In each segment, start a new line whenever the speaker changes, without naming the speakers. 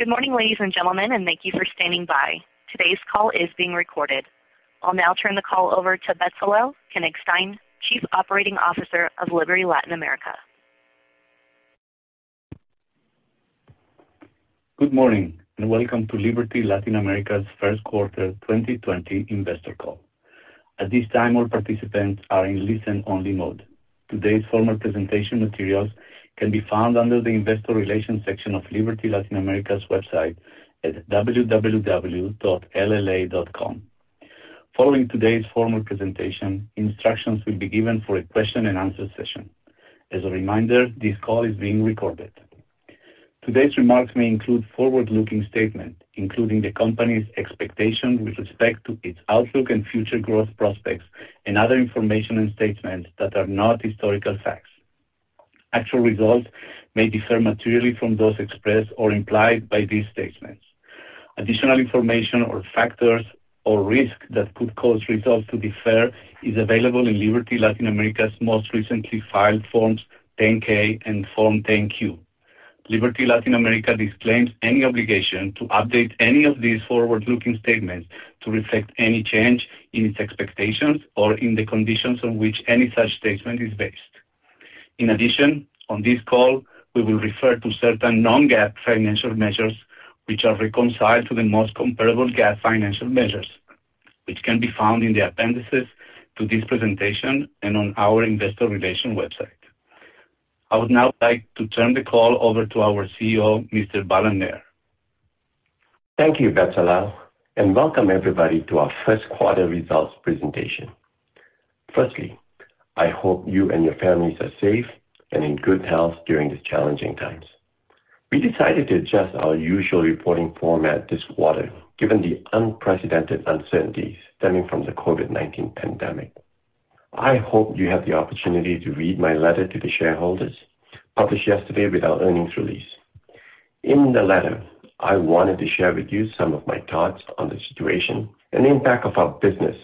Good morning, ladies and gentlemen, thank you for standing by. Today's call is being recorded. I'll now turn the call over to Betzalel Kenigsztein, Chief Operating Officer of Liberty Latin America.
Good morning, and welcome to Liberty Latin America's Q1 2020 investor call. At this time, all participants are in listen-only mode. Today's formal presentation materials can be found under the investor relations section of Liberty Latin America's website at www.lla.com. Following today's formal presentation, instructions will be given for a question and answer session. As a reminder, this call is being recorded. Today's remarks may include forward-looking statement, including the company's expectation with respect to its outlook and future growth prospects and other information and statements that are not historical facts. Actual results may differ materially from those expressed or implied by these statements. Additional information or factors or risks that could cause results to differ is available in Liberty Latin America's most recently filed Forms 10-K and Form 10-Q. Liberty Latin America disclaims any obligation to update any of these forward-looking statements to reflect any change in its expectations or in the conditions on which any such statement is based. In addition, on this call, we will refer to certain non-GAAP financial measures which are reconciled to the most comparable GAAP financial measures, which can be found in the appendices to this presentation and on our investor relation website. I would now like to turn the call over to our CEO, Mr. Balan Nair.
Thank you, Betzalel, and welcome everybody to our first quarter results presentation. Firstly, I hope you and your families are safe and in good health during these challenging times. We decided to adjust our usual reporting format this quarter, given the unprecedented uncertainties stemming from the COVID-19 pandemic. I hope you had the opportunity to read my letter to the shareholders, published yesterday with our earnings release. In the letter, I wanted to share with you some of my thoughts on the situation and impact of our business,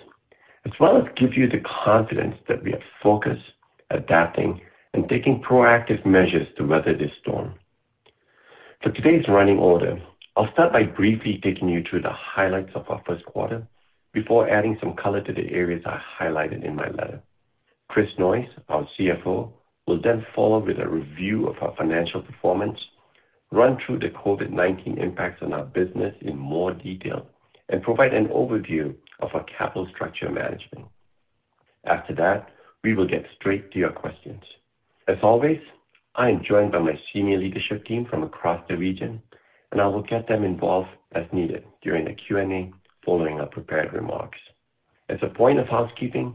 as well as give you the confidence that we are focused, adapting, and taking proactive measures to weather this storm. For today's running order, I'll start by briefly taking you through the highlights of our Q1 before adding some color to the areas I highlighted in my letter. Chris Noyes, our CFO, will then follow with a review of our financial performance, run through the COVID-19 impacts on our business in more detail, and provide an overview of our capital structure management. After that, we will get straight to your questions. As always, I am joined by my senior leadership team from across the region, and I will get them involved as needed during the Q&A following our prepared remarks. As a point of housekeeping,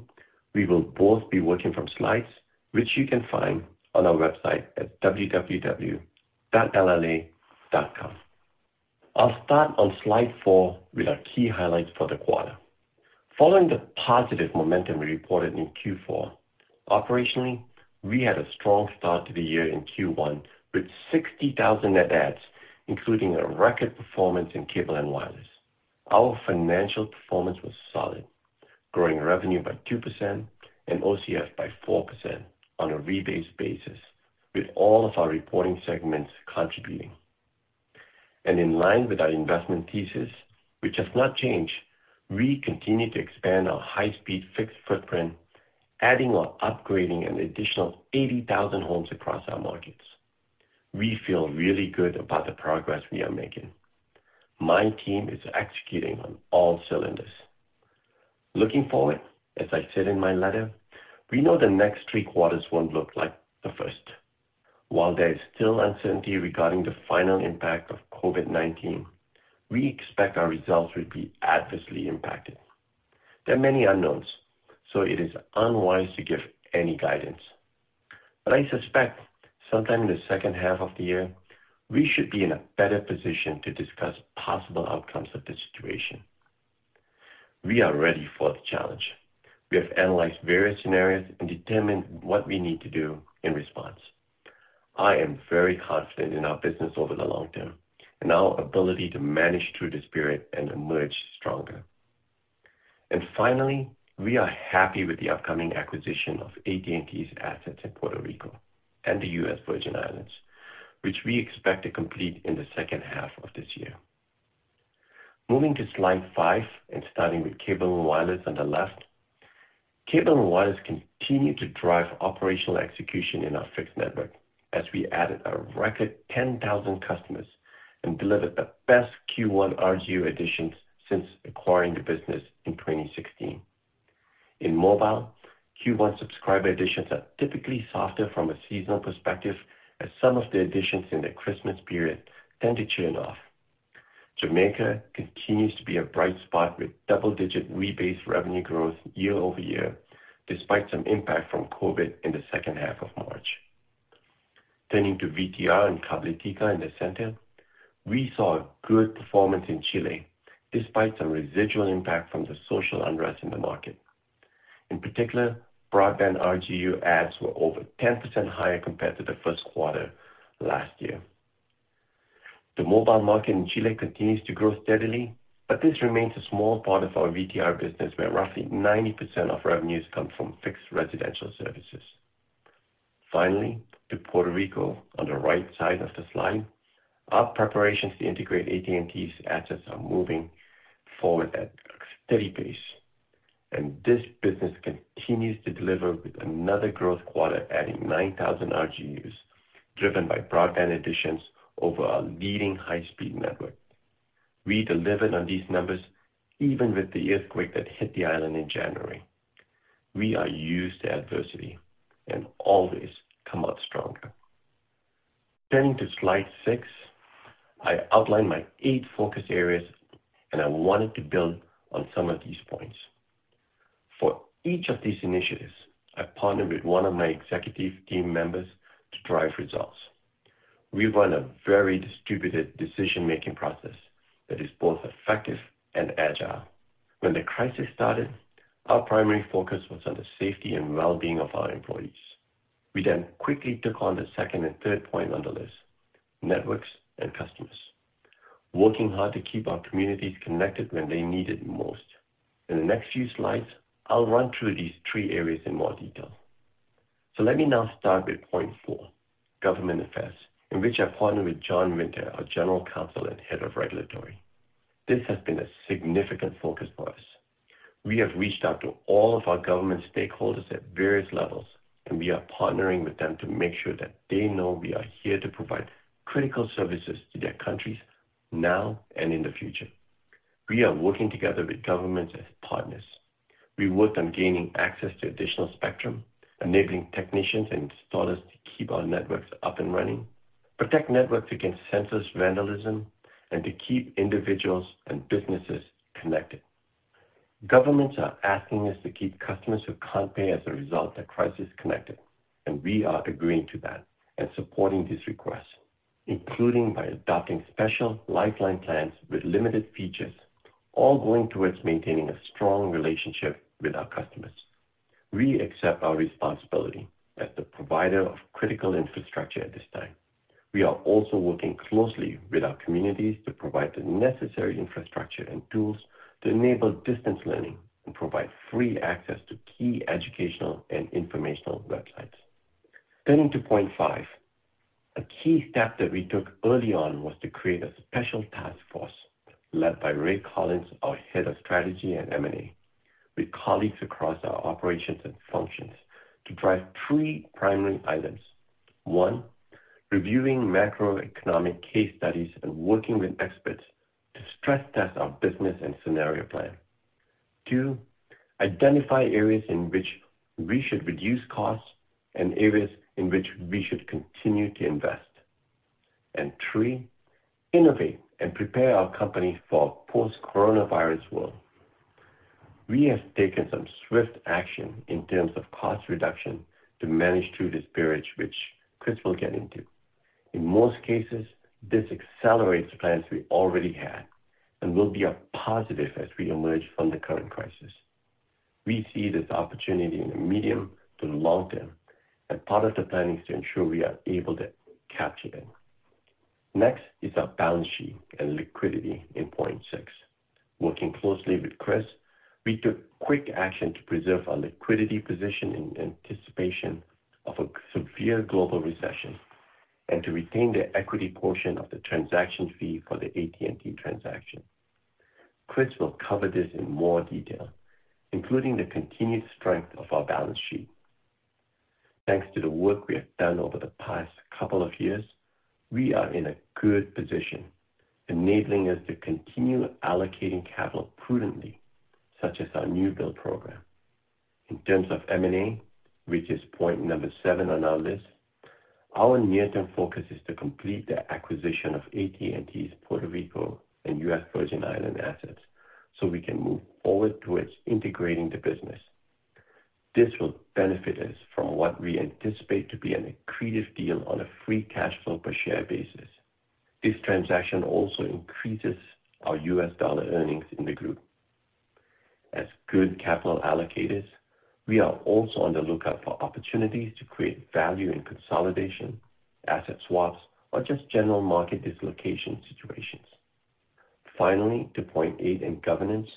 we will both be working from slides, which you can find on our website at www.lla.com. I'll start on slide four with our key highlights for the quarter. Following the positive momentum we reported in Q4, operationally, we had a strong start to the year in Q1 with 60,000 net adds, including a record performance in Cable & Wireless. Our financial performance was solid, growing revenue by two percent and OCF by four percent on a rebased basis, with all of our reporting segments contributing. In line with our investment thesis, which has not changed, we continue to expand our high-speed fixed footprint, adding or upgrading an additional 80,000 homes across our markets. We feel really good about the progress we are making. My team is executing on all cylinders. Looking forward, as I said in my letter, we know the next Q3 won't look like the first. While there is still uncertainty regarding the final impact of COVID-19, we expect our results will be adversely impacted. There are many unknowns, it is unwise to give any guidance. I suspect sometime in the second half of the year, we should be in a better position to discuss possible outcomes of this situation. We are ready for the challenge. We have analyzed various scenarios and determined what we need to do in response. I am very confident in our business over the long term and our ability to manage through this period and emerge stronger. Finally, we are happy with the upcoming acquisition of AT&T's assets in Puerto Rico and the U.S. Virgin Islands, which we expect to complete in the second half of this year. Moving to slide five and starting with Cable & Wireless on the left. Cable & Wireless continue to drive operational execution in our fixed network as we added a record 10,000 customers and delivered the best Q1 RGU additions since acquiring the business in 2016. In mobile, Q1 subscriber additions are typically softer from a seasonal perspective, as some of the additions in the Christmas period tend to churn off. Jamaica continues to be a bright spot with double-digit rebased revenue growth year-over-year, despite some impact from COVID-19 in the second half of March. Turning to VTR and Cabletica in the center. We saw good performance in Chile, despite some residual impact from the social unrest in the market. In particular, broadband RGU adds were over 10% higher compared to the Q1 last year. The mobile market in Chile continues to grow steadily, but this remains a small part of our VTR business, where roughly 90% of revenues come from fixed residential services. Finally, to Puerto Rico on the right side of the slide. Our preparations to integrate AT&T's assets are moving forward at a steady pace. This business continues to deliver with another growth quarter, adding 9,000 RGUs driven by broadband additions over our leading high-speed network. We delivered on these numbers even with the earthquake that hit the island in January. We are used to adversity and always come out stronger. Turning to slide six, I outlined my eight focus areas, and I wanted to build on some of these points. For each of these initiatives, I partnered with one of my executive team members to drive results. We run a very distributed decision-making process that is both effective and agile. When the crisis started, our primary focus was on the safety and well-being of our employees. We then quickly took on the second and third point on the list, networks and customers, working hard to keep our communities connected when they needed it most. In the next few slides, I'll run through these three areas in more detail. Let me now start with point four, government affairs, in which I partnered with John Winter, our general counsel and head of regulatory. This has been a significant focus for us. We have reached out to all of our government stakeholders at various levels, and we are partnering with them to make sure that they know we are here to provide critical services to their countries now and in the future. We are working together with governments as partners. We worked on gaining access to additional spectrum, enabling technicians and installers to keep our networks up and running, protect networks against senseless vandalism, and to keep individuals and businesses connected. Governments are asking us to keep customers who can't pay as a result of the crisis connected, and we are agreeing to that and supporting these requests, including by adopting special Lifeline plans with limited features, all going towards maintaining a strong relationship with our customers. We accept our responsibility as the provider of critical infrastructure at this time. We are also working closely with our communities to provide the necessary infrastructure and tools to enable distance learning and provide free access to key educational and informational websites. Turning to point five, a key step that we took early on was to create a special task force led by Ray Collins, our Head of Strategy and M&A, with colleagues across our operations and functions to drive three primary items. One, reviewing macroeconomic case studies and working with experts to stress test our business and scenario plan. Two, identify areas in which we should reduce costs and areas in which we should continue to invest. Three, innovate and prepare our company for a post-coronavirus world. We have taken some swift action in terms of cost reduction to manage through this period, which Chris will get into. In most cases, this accelerates plans we already had and will be a positive as we emerge from the current crisis. We see this opportunity in the medium to long term, and part of the planning is to ensure we are able to capture them. Next is our balance sheet and liquidity in point six. Working closely with Chris, we took quick action to preserve our liquidity position in anticipation of a severe global recession and to retain the equity portion of the transaction fee for the AT&T transaction. Chris will cover this in more detail, including the continued strength of our balance sheet. Thanks to the work we have done over the past couple of years, we are in a good position, enabling us to continue allocating capital prudently, such as our new build program. In terms of M&A, which is point number seven on our list, our near-term focus is to complete the acquisition of AT&T's Puerto Rico and U.S. Virgin Islands assets so we can move forward towards integrating the business. This will benefit us from what we anticipate to be an accretive deal on a free cash flow per share basis. This transaction also increases our U.S. dollar earnings in the group. As good capital allocators, we are also on the lookout for opportunities to create value in consolidation, asset swaps, or just general market dislocation situations. Finally, to point eight in governance.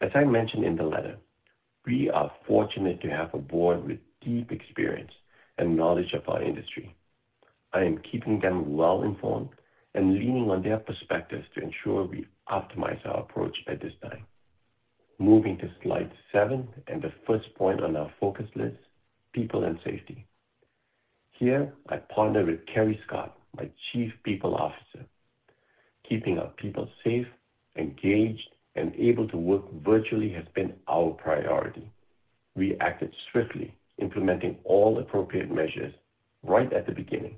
As I mentioned in the letter, we are fortunate to have a board with deep experience and knowledge of our industry. I am keeping them well informed and leaning on their perspectives to ensure we optimize our approach at this time. Moving to slide seven and the first point on our focus list, people and safety. Here, I partner with Kerry Scott, my Chief People Officer. Keeping our people safe, engaged, and able to work virtually has been our priority. We acted swiftly, implementing all appropriate measures right at the beginning.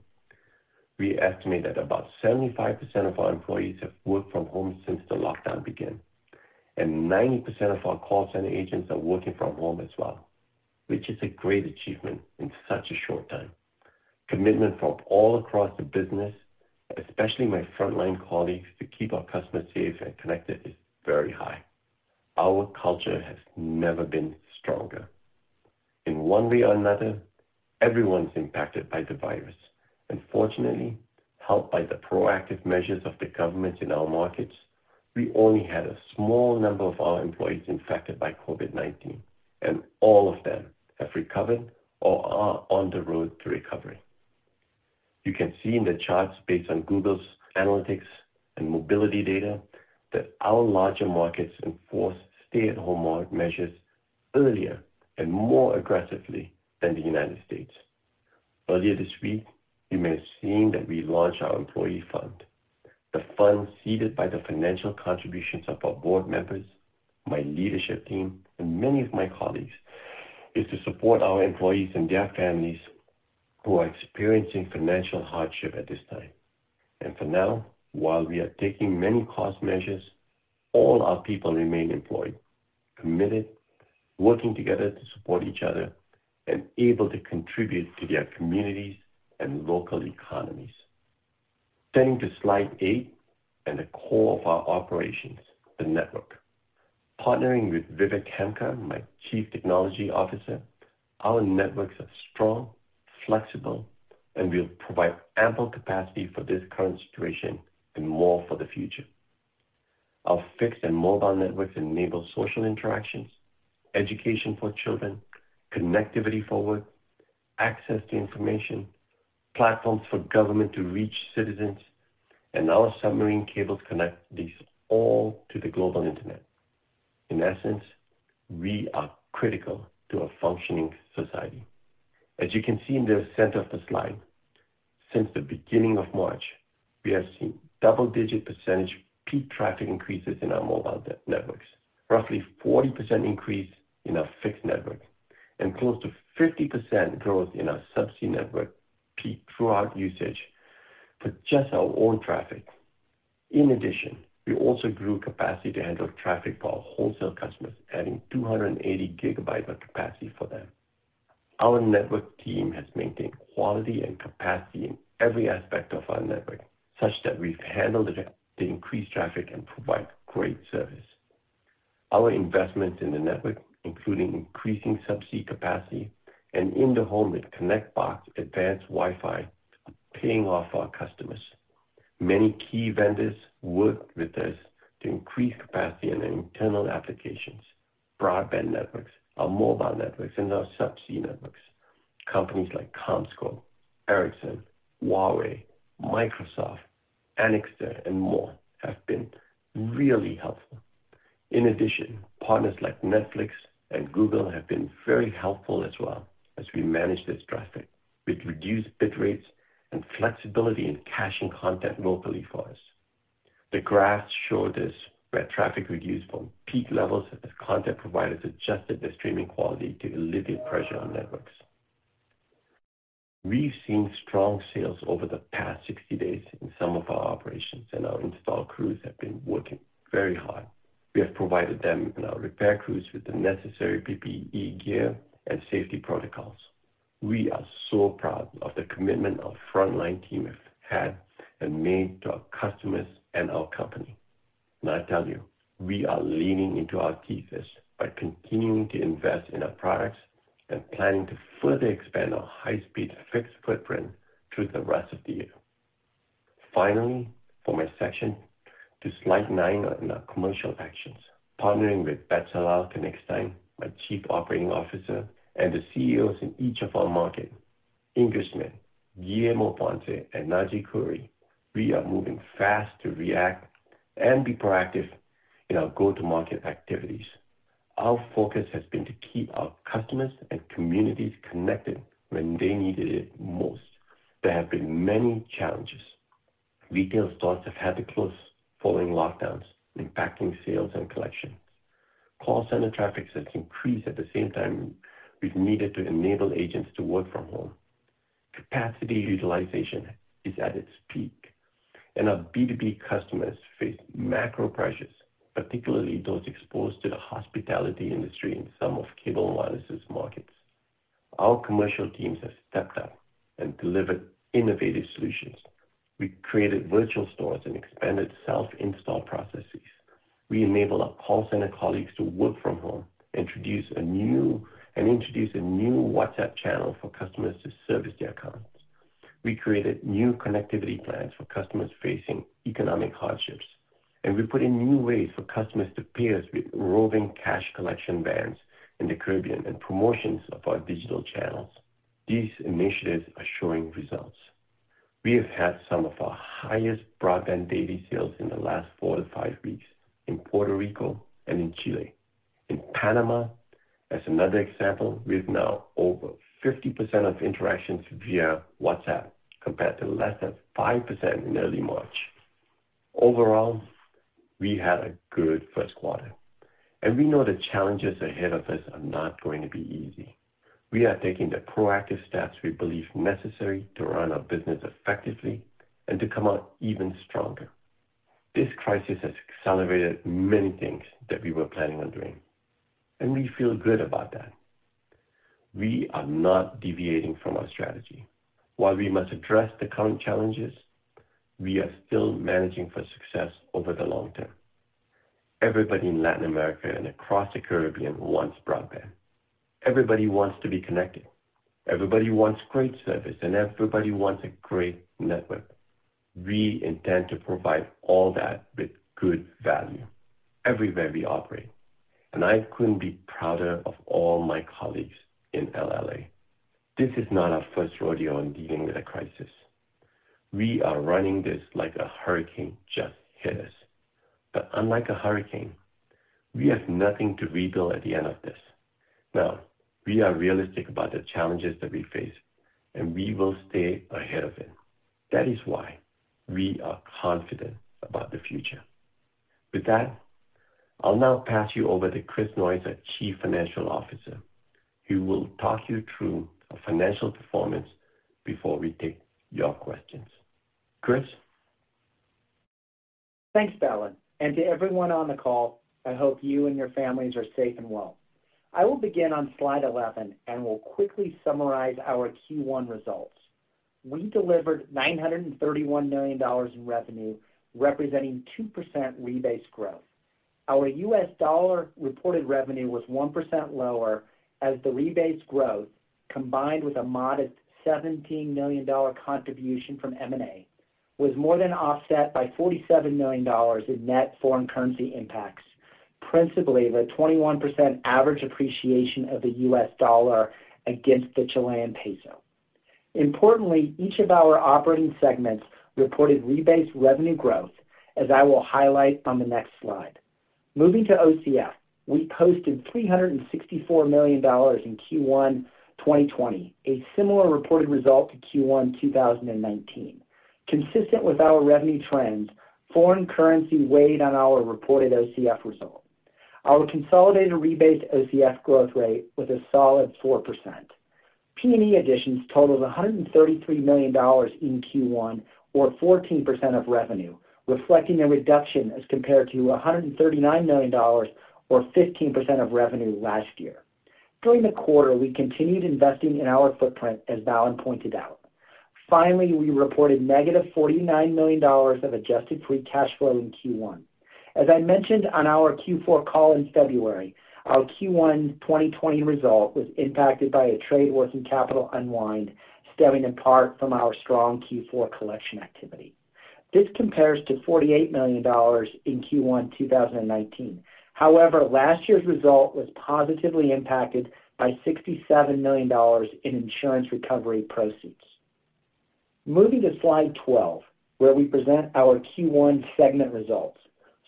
We estimate that about 75% of our employees have worked from home since the lockdown began, and 90% of our call center agents are working from home as well, which is a great achievement in such a short time. Commitment from all across the business, especially my frontline colleagues, to keep our customers safe and connected is very high. Our culture has never been stronger. In one way or another, everyone's impacted by the virus. Fortunately, helped by the proactive measures of the governments in our markets, we only had a small number of our employees infected by COVID-19, and all of them have recovered or are on the road to recovery. You can see in the charts, based on Google's analytics and mobility data, that our larger markets enforced stay-at-home measures earlier and more aggressively than the U.S. Earlier this week, you may have seen that we launched our employee fund. The fund, seeded by the financial contributions of our board members, my leadership team, and many of my colleagues, is to support our employees and their families who are experiencing financial hardship at this time. For now, while we are taking many cost measures, all our people remain employed, committed, working together to support each other, and able to contribute to their communities and local economies. Turning to slide eight and the core of our operations, the network. Partnering with Vivek Khemka, my chief technology officer, our networks are strong, flexible, and will provide ample capacity for this current situation and more for the future. Our fixed and mobile networks enable social interactions, education for children, connectivity forward, access to information, platforms for government to reach citizens, and our submarine cables connect these all to the global internet. In essence, we are critical to a functioning society. As you can see in the center of the slide, since the beginning of March, we have seen double-digit percent peak traffic increases in our mobile networks. Roughly 40% increase in our fixed network and close to 50% growth in our subsea network peak throughout usage for just our own traffic. In addition, we also grew capacity to handle traffic for our wholesale customers, adding 280 gigabytes of capacity for them. Our network team has maintained quality and capacity in every aspect of our network such that we've handled the increased traffic and provide great service. Our investments in the network, including increasing subsea capacity and in the home with Connect Box advanced Wi-Fi, are paying off for our customers. Many key vendors worked with us to increase capacity in their internal applications, broadband networks, our mobile networks, and our subsea networks. Companies like CommScope, Ericsson, Huawei, Microsoft, Anixter, and more have been really helpful. In addition, partners like Netflix and Google have been very helpful as well as we manage this traffic with reduced bit rates and flexibility in caching content locally for us. The graphs show this where traffic reduced from peak levels as content providers adjusted their streaming quality to alleviate pressure on networks. We've seen strong sales over the past 60 days in some of our operations, and our install crews have been working very hard. We have provided them and our repair crews with the necessary PPE gear and safety protocols. We are so proud of the commitment our frontline team have had and made to our customers and our company. I tell you, we are leaning into our thesis by continuing to invest in our products and planning to further expand our high-speed fixed footprint through the rest of the year. Finally, for my section, to slide nine on our commercial actions. Partnering with Betzalel, my chief operating officer and the CEOs in each of our market, Inge Smidts, Guillermo Ponce, and Naji Khoury, we are moving fast to react and be proactive in our go-to-market activities. Our focus has been to keep our customers and communities connected when they needed it most. There have been many challenges. Retail stores have had to close following lockdowns, impacting sales and collections. Call center traffic has increased at the same time we've needed to enable agents to work from home. Capacity utilization is at its peak, and our B2B customers face macro pressures, particularly those exposed to the hospitality industry in some of Cable & Wireless's markets. Our commercial teams have stepped up and delivered innovative solutions. We created virtual stores and expanded self-install processes. We enabled our call center colleagues to work from home and introduced a new WhatsApp channel for customers to service their accounts. We created new connectivity plans for customers facing economic hardships, and we put in new ways for customers to pay us with roving cash collection vans in the Caribbean and promotions of our digital channels. These initiatives are showing results. We have had some of our highest broadband daily sales in the last four - five weeks in Puerto Rico and in Chile. In Panama, as another example, we have now over 50% of interactions via WhatsApp, compared to less than five percent in early March. Overall, we had a good first quarter, and we know the challenges ahead of us are not going to be easy. We are taking the proactive steps we believe necessary to run our business effectively and to come out even stronger. This crisis has accelerated many things that we were planning on doing, and we feel good about that. We are not deviating from our strategy. While we must address the current challenges, we are still managing for success over the long term. Everybody in Latin America and across the Caribbean wants broadband. Everybody wants to be connected, everybody wants great service, and everybody wants a great network. We intend to provide all that with good value everywhere we operate. I couldn't be prouder of all my colleagues in LLA. This is not our first rodeo in dealing with a crisis. We are running this like a hurricane just hit us. Unlike a hurricane, we have nothing to rebuild at the end of this. Now, we are realistic about the challenges that we face, and we will stay ahead of it. That is why we are confident about the future. With that, I'll now pass you over to Chris Noyes, our Chief Financial Officer, who will talk you through our financial performance before we take your questions. Chris?
Thanks, Balan. To everyone on the call, I hope you and your families are safe and well. I will begin on slide 11, and will quickly summarize our Q1 results. We delivered $931 million in revenue, representing two percent rebased growth. Our US dollar reported revenue was one percent lower as the rebased growth, combined with a modest $17 million contribution from M&A, was more than offset by $47 million in net foreign currency impacts, principally the 21% average appreciation of the US dollar against the Chilean peso. Importantly, each of our operating segments reported rebased revenue growth, as I will highlight on the next slide. Moving to OCF, we posted $364 million in Q1 2020, a similar reported result to Q1 2019. Consistent with our revenue trends, foreign currency weighed on our reported OCF result. Our consolidated rebased OCF growth rate was a solid four percent. P&E additions totaled $133 million in Q1, or 14% of revenue, reflecting a reduction as compared to $139 million, or 15% of revenue last year. During the quarter, we continued investing in our footprint, as Balan pointed out. Finally, we reported negative $49 million of adjusted free cash flow in Q1. As I mentioned on our Q4 call in February, our Q1 2020 result was impacted by a trade working capital unwind stemming in part from our strong Q4 collection activity. This compares to $48 million in Q1 2019. However, last year's result was positively impacted by $67 million in insurance recovery proceeds. Moving to slide 12, where we present our Q1 segment results.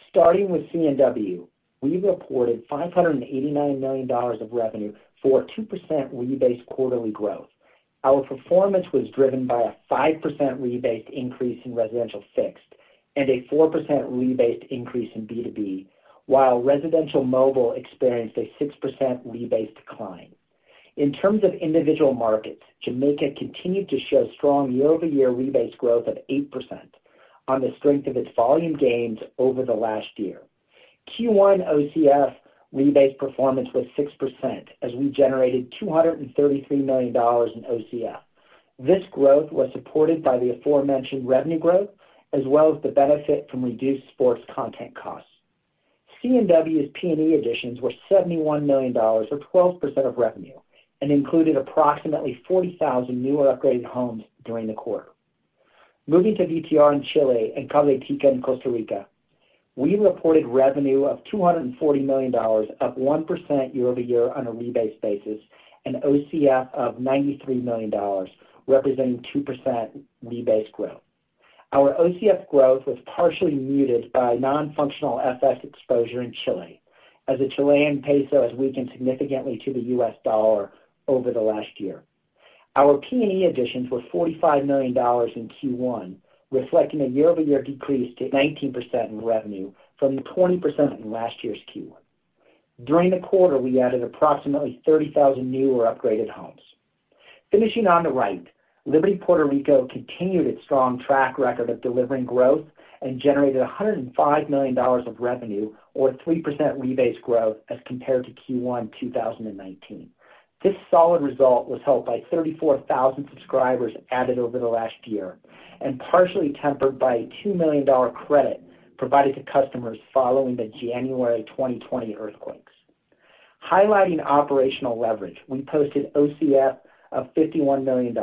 Starting with C&W, we reported $589 million of revenue for two percent rebased quarterly growth. Our performance was driven by a five percentrebased increase in residential fixed and a four percent rebased increase in B2B, while residential mobile experienced a 6% rebased decline. In terms of individual markets, Jamaica continued to show strong year-over-year rebased growth of eight percent on the strength of its volume gains over the last year. Q1 OCF rebased performance was six percent as we generated $233 million in OCF. This growth was supported by the aforementioned revenue growth as well as the benefit from reduced sports content costs. C&W's P&E additions were $71 million, or 12% of revenue, and included approximately 40,000 new or upgraded homes during the quarter. Moving to VTR in Chile and Cabletica in Costa Rica, we reported revenue of $240 million, up one percent year-over-year on a rebased basis, and OCF of $93 million, representing two percent rebased growth. Our OCF growth was partially muted by non-functional FX exposure in Chile as the Chilean peso has weakened significantly to the US dollar over the last year. Our P&E additions were $45 million in Q1, reflecting a year-over-year decrease to 19% in revenue from the 20% in last year's Q1. During the quarter, we added approximately 30,000 new or upgraded homes. Finishing on the right, Liberty Puerto Rico continued its strong track record of delivering growth and generated $105 million of revenue or three percent rebased growth as compared to Q1 2019. This solid result was helped by 34,000 subscribers added over the last year and partially tempered by a $2 million credit provided to customers following the January 2020 earthquakes. Highlighting operational leverage, we posted OCF of $51 million,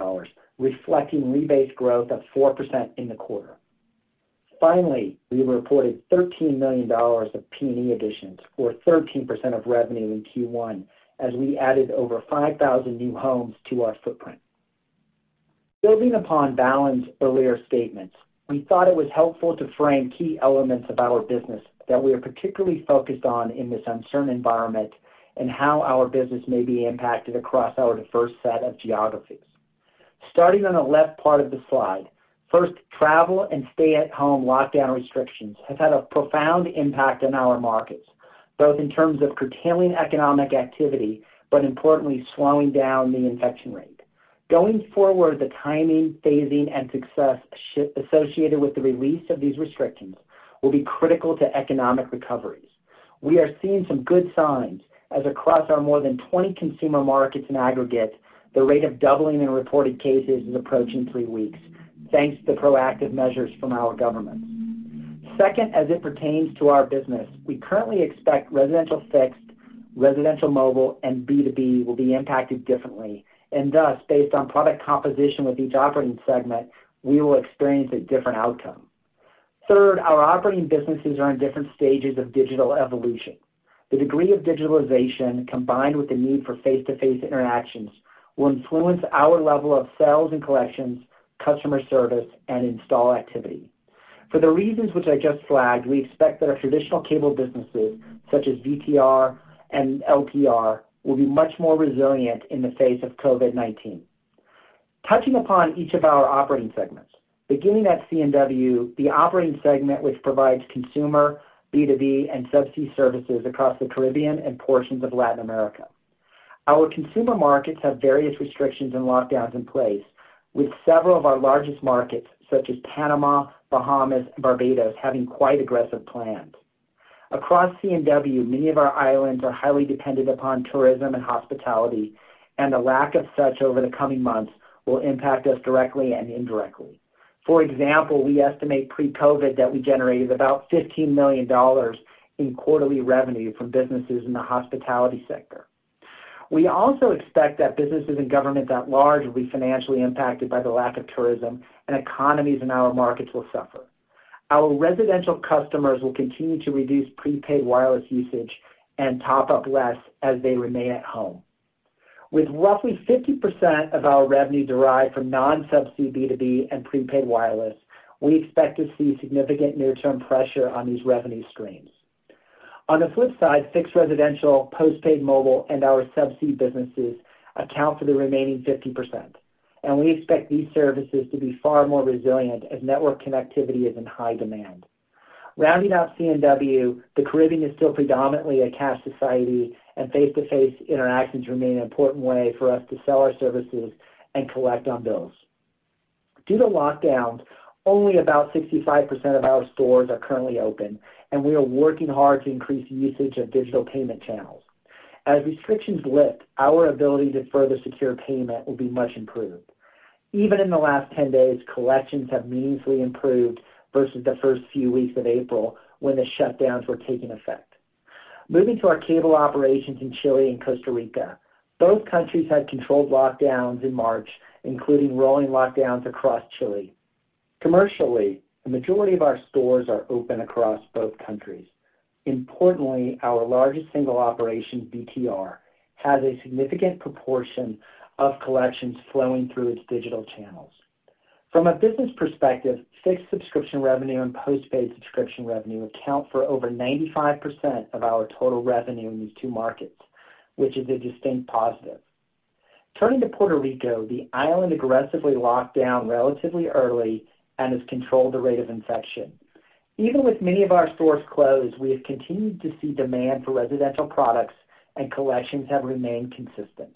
reflecting rebased growth of four percent in the quarter. Finally, we reported $13 million of P&E additions, or 13% of revenue in Q1 as we added over 5,000 new homes to our footprint. Building upon Balan's earlier statements, we thought it was helpful to frame key elements of our business that we are particularly focused on in this uncertain environment and how our business may be impacted across our diverse set of geographies. Starting on the left part of the slide, first, travel and stay-at-home lockdown restrictions have had a profound impact on our markets, both in terms of curtailing economic activity, but importantly, slowing down the infection rate. Going forward, the timing, phasing, and success associated with the release of these restrictions will be critical to economic recoveries. We are seeing some good signs as across our more than 20 consumer markets in aggregate, the rate of doubling in reported cases is approaching three weeks. Thanks to proactive measures from our governments. Second, as it pertains to our business, we currently expect residential fixed, residential mobile, and B2B will be impacted differently. Thus, based on product composition with each operating segment, we will experience a different outcome. Third, our operating businesses are in different stages of digital evolution. The degree of digitalization, combined with the need for face-to-face interactions, will influence our level of sales and collections, customer service, and install activity. For the reasons which I just flagged, we expect that our traditional cable businesses, such as VTR and LPR, will be much more resilient in the face of COVID-19. Touching upon each of our operating segments, beginning at C&W, the operating segment which provides consumer, B2B, and subsea services across the Caribbean and portions of Latin America. Our consumer markets have various restrictions and lockdowns in place. With several of our largest markets, such as Panama, Bahamas, and Barbados, having quite aggressive plans. Across C&W, many of our islands are highly dependent upon tourism and hospitality, and a lack of such over the coming months will impact us directly and indirectly. For example, we estimate pre-COVID that we generated about $15 million in quarterly revenue from businesses in the hospitality sector. We also expect that businesses and government at large will be financially impacted by the lack of tourism, and economies in our markets will suffer. Our residential customers will continue to reduce prepaid wireless usage and top up less as they remain at home. With roughly 50% of our revenue derived from non-subsea B2B and prepaid wireless, we expect to see significant near-term pressure on these revenue streams. On the flip side, fixed residential, postpaid mobile, and our subsea businesses account for the remaining 50%, and we expect these services to be far more resilient as network connectivity is in high demand. Rounding out C&W, the Caribbean is still predominantly a cash society, and face-to-face interactions remain an important way for us to sell our services and collect on bills. Due to lockdowns, only about 65% of our stores are currently open, and we are working hard to increase usage of digital payment channels. As restrictions lift, our ability to further secure payment will be much improved. Even in the last 10 days, collections have meaningfully improved versus the first few weeks of April, when the shutdowns were taking effect. Moving to our cable operations in Chile and Costa Rica. Both countries had controlled lockdowns in March, including rolling lockdowns across Chile. Commercially, the majority of our stores are open across both countries. Importantly, our largest single operation, VTR, has a significant proportion of collections flowing through its digital channels. From a business perspective, fixed subscription revenue and postpaid subscription revenue account for over 95% of our total revenue in these two markets, which is a distinct positive. Turning to Puerto Rico, the island aggressively locked down relatively early and has controlled the rate of infection. Even with many of our stores closed, we have continued to see demand for residential products, and collections have remained consistent.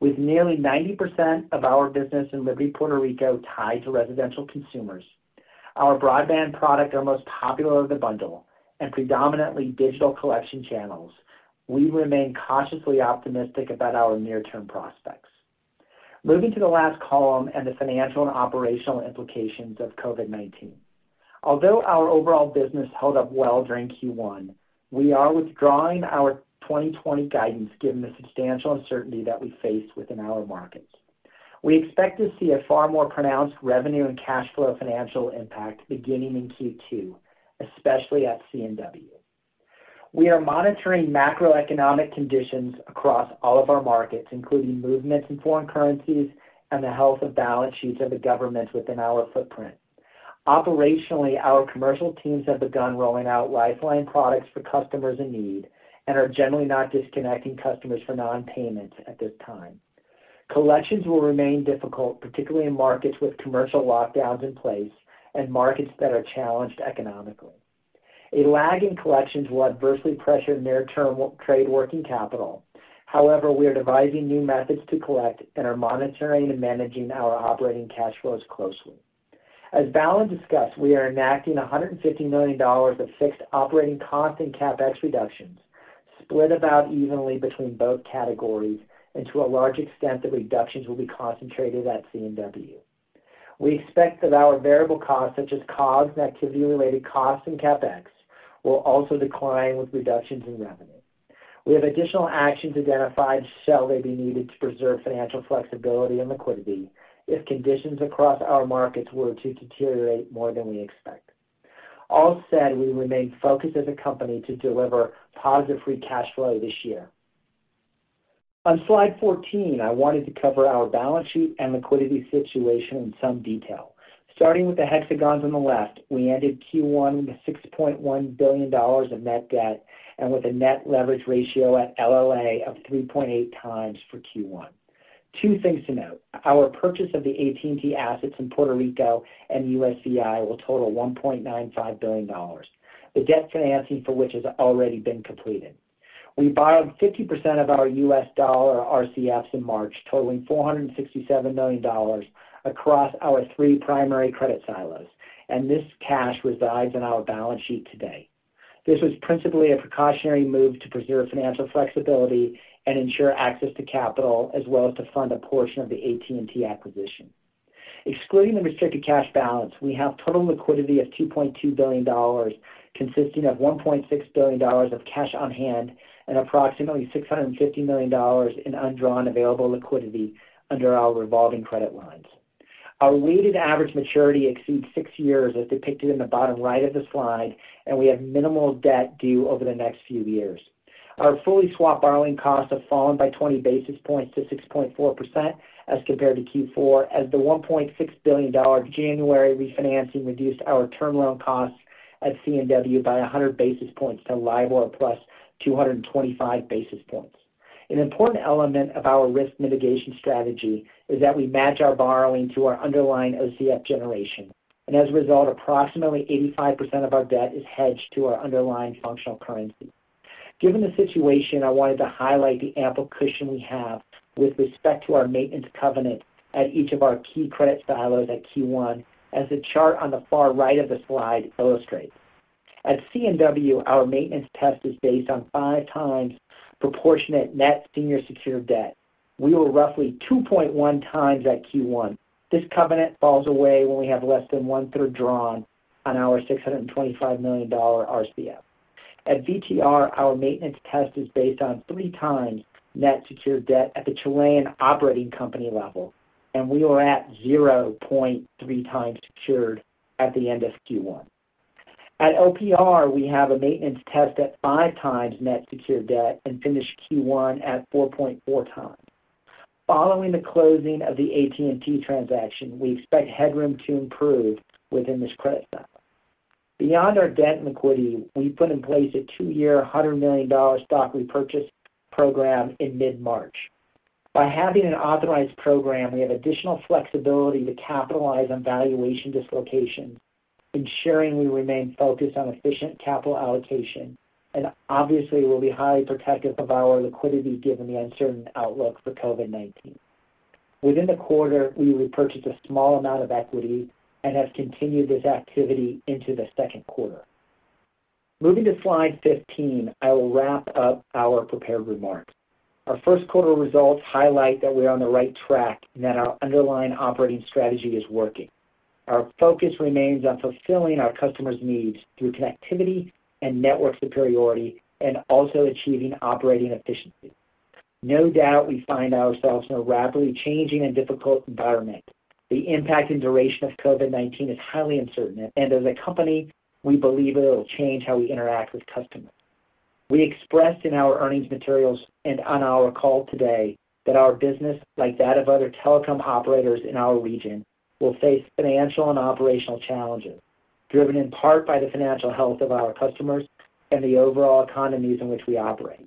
With nearly 90% of our business in Liberty Puerto Rico tied to residential consumers, our broadband product, our most popular of the bundle, and predominantly digital collection channels, we remain cautiously optimistic about our near-term prospects. Moving to the last column and the financial and operational implications of COVID-19. Although our overall business held up well during Q1, we are withdrawing our 2020 guidance given the substantial uncertainty that we face within our markets. We expect to see a far more pronounced revenue and cash flow financial impact beginning in Q2, especially at C&W. We are monitoring macroeconomic conditions across all of our markets, including movements in foreign currencies and the health of balance sheets of the governments within our footprint. Operationally, our commercial teams have begun rolling out Lifeline products for customers in need and are generally not disconnecting customers for non-payments at this time. Collections will remain difficult, particularly in markets with commercial lockdowns in place and markets that are challenged economically. A lag in collections will adversely pressure near-term trade working capital. We are devising new methods to collect and are monitoring and managing our operating cash flows closely. As Balan discussed, we are enacting $150 million of fixed operating cost and CapEx reductions, split about evenly between both categories. To a large extent, the reductions will be concentrated at C&W. We expect that our variable costs, such as COGS and activity-related costs and CapEx, will also decline with reductions in revenue. We have additional actions identified, shall they be needed to preserve financial flexibility and liquidity, if conditions across our markets were to deteriorate more than we expect. We remain focused as a company to deliver positive free cash flow this year. On slide 14, I wanted to cover our balance sheet and liquidity situation in some detail. Starting with the hexagons on the left, we ended Q1 with $6.1 billion of net debt and with a net leverage ratio at LLA of 3.8 times for Q1. Two things to note. Our purchase of the AT&T assets in Puerto Rico and USVI will total $1.95 billion. The debt financing for which has already been completed. We borrowed 50% of our US dollar RCFs in March, totaling $467 million across our three primary credit silos, and this cash resides on our balance sheet today. This was principally a precautionary move to preserve financial flexibility and ensure access to capital, as well as to fund a portion of the AT&T acquisition. Excluding the restricted cash balance, we have total liquidity of $2.2 billion, consisting of $1.6 billion of cash on hand and approximately $650 million in undrawn available liquidity under our revolving credit lines. Our weighted average maturity exceeds six years, as depicted in the bottom right of the slide, and we have minimal debt due over the next few years. Our fully swap borrowing costs have fallen by 20 basis points to 6.4% as compared to Q4, as the $1.6 billion January refinancing reduced our term loan costs at C&W by 100 basis points to LIBOR plus 225 basis points. An important element of our risk mitigation strategy is that we match our borrowing to our underlying OCF generation, and as a result, approximately 85% of our debt is hedged to our underlying functional currency. Given the situation, I wanted to highlight the ample cushion we have with respect to our maintenance covenant at each of our key credit silos at Q1, as the chart on the far right of the slide illustrates. At C&W, our maintenance test is based on 5x proportionate net senior secured debt. We were roughly 2.1x at Q1. This covenant falls away when we have less than one-third drawn on our $625 million RCF. At VTR, our maintenance test is based on 3x net secured debt at the Chilean operating company level, and we were at 0.3x secured at the end of Q1. At LPR, we have a maintenance test at 5x net secured debt and finished Q1 at 4.4x. Following the closing of the AT&T transaction, we expect headroom to improve within this credit silo. Beyond our debt and liquidity, we put in place a two-year, $100 million stock repurchase program in mid-March. By having an authorized program, we have additional flexibility to capitalize on valuation dislocations, ensuring we remain focused on efficient capital allocation and obviously will be highly protective of our liquidity given the uncertain outlook for COVID-19. Within the quarter, we repurchased a small amount of equity and have continued this activity into the second quarter. Moving to slide 15, I will wrap up our prepared remarks. Our Q1 results highlight that we are on the right track and that our underlying operating strategy is working. Our focus remains on fulfilling our customers' needs through connectivity and network superiority, and also achieving operating efficiency. No doubt, we find ourselves in a rapidly changing and difficult environment. The impact and duration of COVID-19 is highly uncertain, as a company, we believe it'll change how we interact with customers. We expressed in our earnings materials and on our call today that our business, like that of other telecom operators in our region, will face financial and operational challenges, driven in part by the financial health of our customers and the overall economies in which we operate.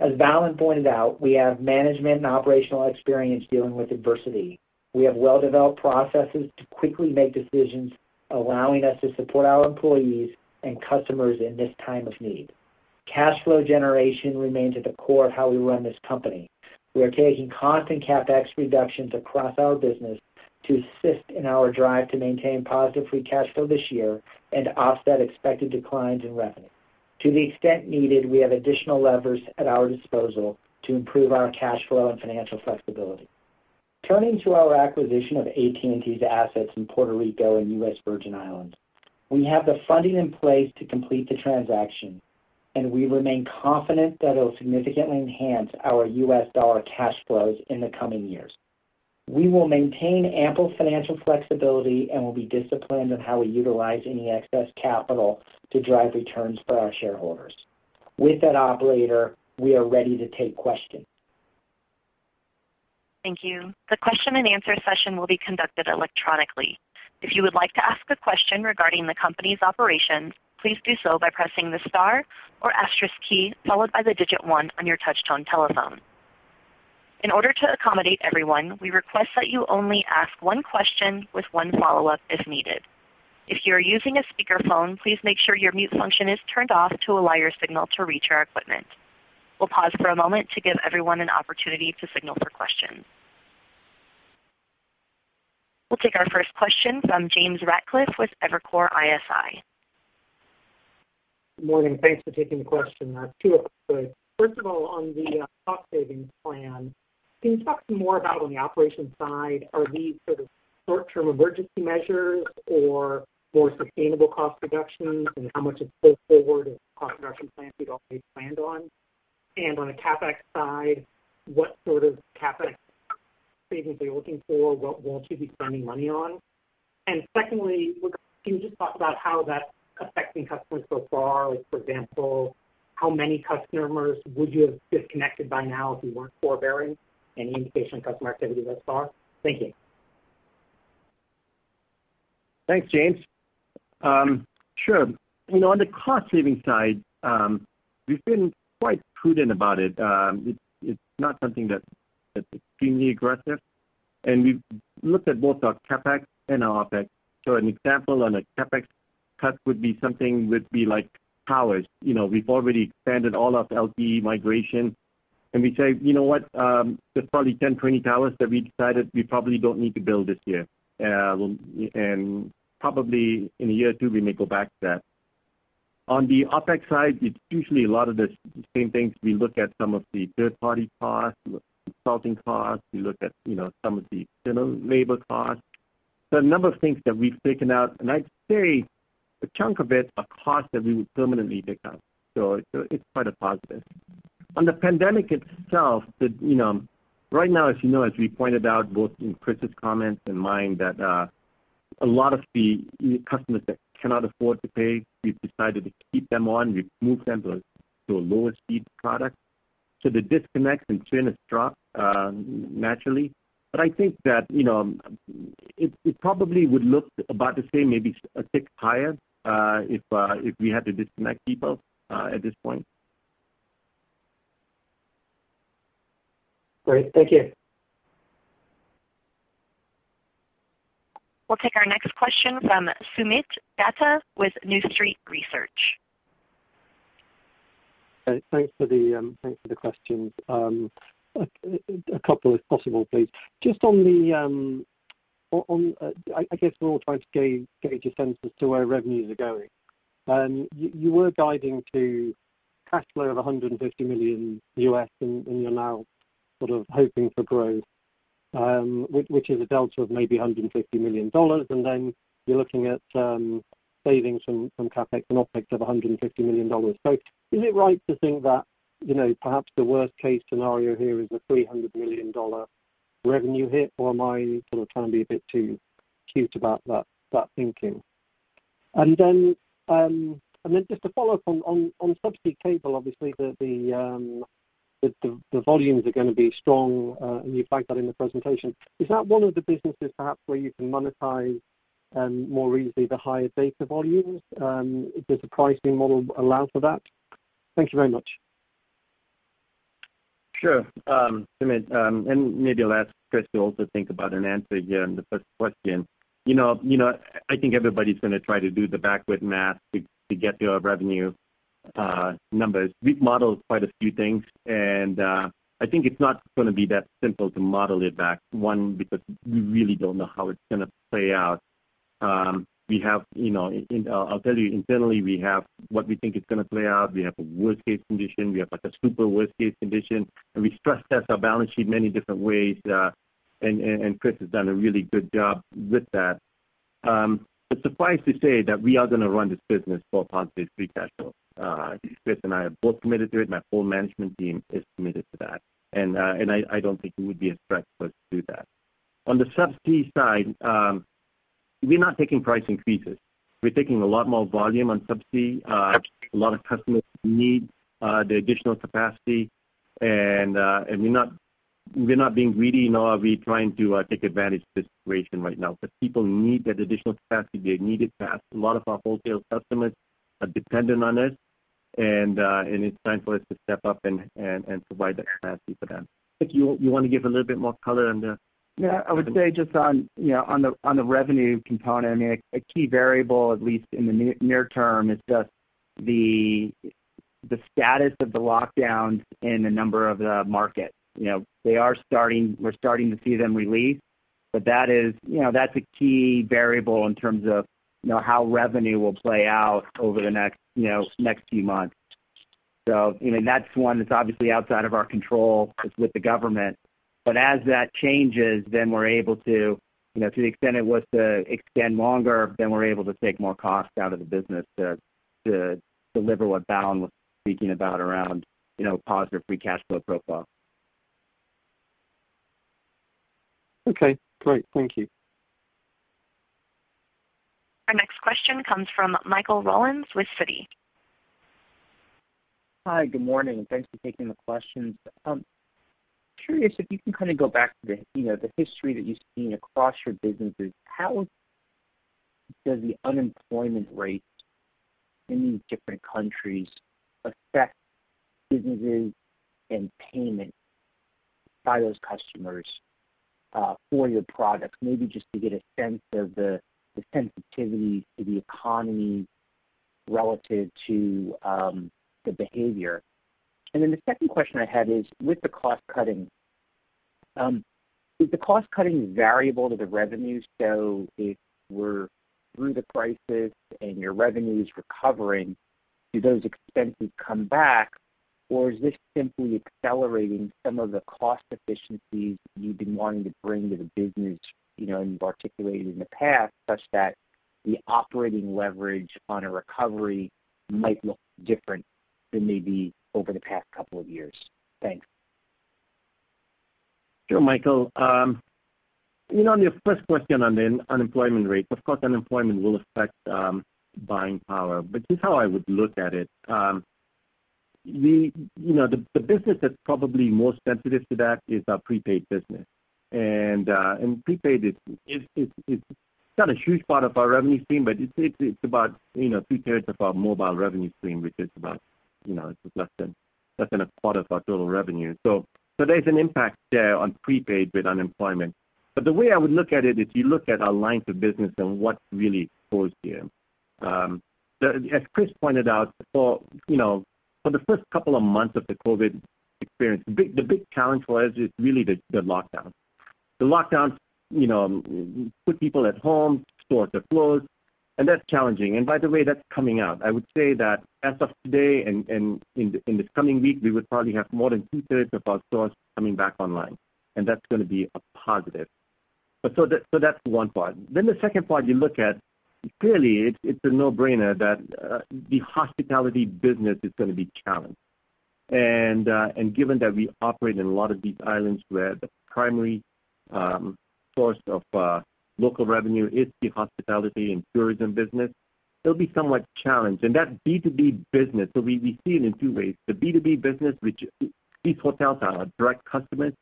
As Balan pointed out, we have management and operational experience dealing with adversity. We have well-developed processes to quickly make decisions, allowing us to support our employees and customers in this time of need. Cash flow generation remains at the core of how we run this company. We are taking constant CapEx reductions across our business to assist in our drive to maintain positive free cash flow this year and offset expected declines in revenue. To the extent needed, we have additional levers at our disposal to improve our cash flow and financial flexibility. Turning to our acquisition of AT&T's assets in Puerto Rico and U.S. Virgin Islands. We have the funding in place to complete the transaction, and we remain confident that it'll significantly enhance our U.S. dollar cash flows in the coming years. We will maintain ample financial flexibility and will be disciplined in how we utilize any excess capital to drive returns for our shareholders. With that, operator, we are ready to take questions.
Thank you. The question and answer session will be conducted electronically. If you would like to ask a question regarding the company's operations, please do so by pressing the star or asterisk key, followed by the digit one on your touchtone telephone. In order to accommodate everyone, we request that you only ask one question with one follow-up, if needed. If you are using a speakerphone, please make sure your mute function is turned off to allow your signal to reach our equipment. We'll pause for a moment to give everyone an opportunity to signal for questions. We'll take our first question from James Ratcliffe with Evercore ISI.
Morning. Thanks for taking the question. Two of them. First of all, on the cost savings plan, can you talk some more about on the operations side, are these sort of short-term emergency measures or more sustainable cost reductions, and how much of it is pull forward of cost reduction plans you'd already planned on? On the CapEx side, what sort of CapEx savings are you looking for? What won't you be spending money on? Secondly, can you just talk about how that's affecting customers so far? Like for example, how many customers would you have disconnected by now if you weren't forbearing? Any indication on customer activity thus far? Thank you.
Thanks, James. Sure. On the cost savings side, we've been quite prudent about it. It's not something that's extremely aggressive, and we've looked at both our CapEx and our OpEx. An example on a CapEx cut would be something like towers. We've already expanded all of LTE migration
We say, you know what? There's probably 10, 20 towers that we decided we probably don't need to build this year. Probably in a year or two, we may go back to that. On the OpEx side, it's usually a lot of the same things. We look at some of the third-party costs, consulting costs. We look at some of the general labor costs. There are a number of things that we've taken out, and I'd say a chunk of it are costs that we would permanently take out. It's quite a positive. On the pandemic itself, right now, as you know, as we pointed out, both in Chris's comments and mine, that a lot of the customers that cannot afford to pay, we've decided to keep them on. We've moved them to a lower-speed product. The disconnects and churn has dropped naturally. I think that it probably would look about the same, maybe a tick higher, if we had to disconnect people at this point.
Great. Thank you.
We'll take our next question from Soomit Datta with New Street Research.
Thanks for the questions. A couple, if possible, please. I guess we're all trying to gauge a sense as to where revenues are going. You were guiding to cash flow of $150 million, and you're now sort of hoping for growth, which is a delta of maybe $150 million. Then you're looking at savings from CapEx and OpEx of $150 million. Is it right to think that perhaps the worst-case scenario here is a $300 million revenue hit, or am I sort of trying to be a bit too cute about that thinking? Then just to follow up, on subsea cable, obviously, the volumes are going to be strong, and you flagged that in the presentation. Is that one of the businesses perhaps where you can monetize more easily the higher data volumes? Does the pricing model allow for that? Thank you very much.
Sure. Soomit, maybe I'll ask Chris to also think about an answer here on the first question. I think everybody's going to try to do the backward math to get to our revenue numbers. We've modeled quite a few things. I think it's not going to be that simple to model it back. One, because we really don't know how it's going to play out. I'll tell you internally, we have what we think is going to play out. We have a worst-case condition. We have a super worst-case condition. We stress test our balance sheet many different ways. Chris has done a really good job with that. Suffice to say that we are going to run this business for positive free cash flow. Chris and I are both committed to it. My full management team is committed to that, and I don't think it would be a stretch for us to do that. On the subsea side, we're not taking price increases. We're taking a lot more volume on subsea. A lot of customers need the additional capacity, and we're not being greedy nor are we trying to take advantage of the situation right now. People need that additional capacity. They need it fast. A lot of our wholesale customers are dependent on it, and it's time for us to step up and provide that capacity for them. Chris, you want to give a little bit more color on the-
Yeah, I would say just on the revenue component, a key variable, at least in the near term, is just the status of the lockdowns in a number of the markets. We're starting to see them release, that's a key variable in terms of how revenue will play out over the next few months. That's one that's obviously outside of our control. It's with the government. As that changes, to the extent it was to extend longer, we're able to take more costs out of the business to deliver what Balan was speaking about around positive free cash flow profile.
Okay, great. Thank you.
Our next question comes from Michael Rollins with Citi.
Hi, good morning, and thanks for taking the questions. Curious if you can go back to the history that you've seen across your businesses. How does the unemployment rate in these different countries affect businesses and payment by those customers for your products? Maybe just to get a sense of the sensitivity to the economy relative to the behavior. The second question I had is, with the cost-cutting, is the cost-cutting variable to the revenue? If we're through the crisis and your revenue is recovering, do those expenses come back, or is this simply accelerating some of the cost efficiencies you've been wanting to bring to the business, and you've articulated in the past such that the operating leverage on a recovery might look different than maybe over the past couple of years? Thanks.
Sure, Michael. On your first question on the unemployment rate, of course, unemployment will affect buying power, but here's how I would look at it. The business that's probably most sensitive to that is our prepaid business. Prepaid is not a huge part of our revenue stream, but it's about two-thirds of our mobile revenue stream, which is less than a quarter of our total revenue. There's an impact there on prepaid with unemployment. The way I would look at it is you look at our lines of business and what's really exposed here. As Chris pointed out, for the first couple of months of the COVID experience, the big challenge for us is really the lockdown. The lockdowns put people at home, stores are closed, and that's challenging. By the way, that's coming out. I would say that as of today, in this coming week, we would probably have more than two-thirds of our stores coming back online. That's going to be a positive. That's one part. The second part you look at, clearly, it's a no-brainer that the hospitality business is going to be challenged. Given that we operate in a lot of these islands where the primary source of local revenue is the hospitality and tourism business, they'll be somewhat challenged. That B2B business, we see it in two ways. The B2B business, which these hotels are our direct customers,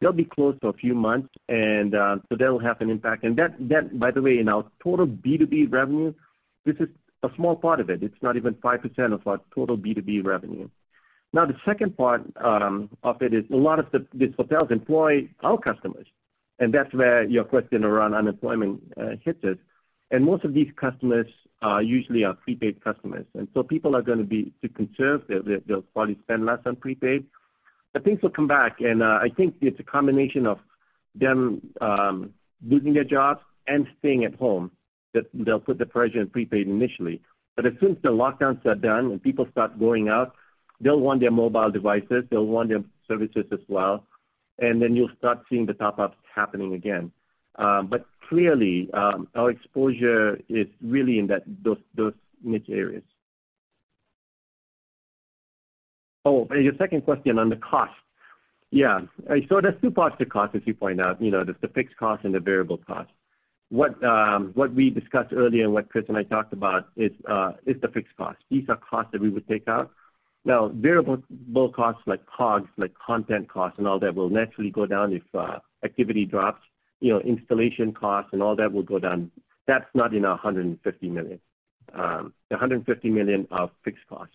they'll be closed for a few months, and so that'll have an impact. That, by the way, in our total B2B revenue, this is a small part of it. It's not even five percent of our total B2B revenue. The second part of it is a lot of these hotels employ our customers, and that's where your question around unemployment hits us. Most of these customers usually are prepaid customers. People are going to be, to conserve, they'll probably spend less on prepaid. Things will come back, and I think it's a combination of them losing their jobs and staying at home, that they'll put the pressure on prepaid initially. As soon as the lockdowns are done, when people start going out, they'll want their mobile devices, they'll want their services as well, and then you'll start seeing the top-ups happening again. Clearly, our exposure is really in those niche areas. Your second question on the cost. Yeah. There's two parts to cost, as you point out, there's the fixed cost and the variable cost. What we discussed earlier and what Chris and I talked about is the fixed cost. These are costs that we would take out. Now, variable costs like COGS, like content costs and all that, will naturally go down if activity drops. Installation costs and all that will go down. That's not in our $150 million. The $150 million are fixed costs.